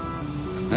え？